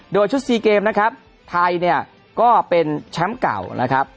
โดยชุด๔เกมนะครับไทยเนี่ยก็เป็นแชมป์เก่านะครับ